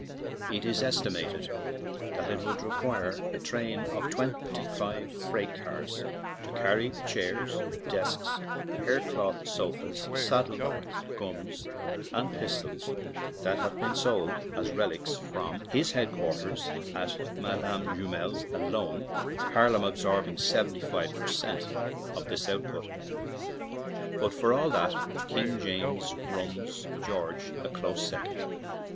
It is es timated that it would require a train of twenty freight cars to carry the chairs, desks, haircloth sofas, saddle bags, guns, and pistols that have been sold as relics from his headquarters at Madame Jumel's alone, Harlem absorbing seventy five per cent, of this output. But for all that, King James runs George a close second.